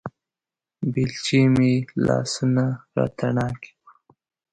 بېلچې مې لاسونه راتڼاکې کړو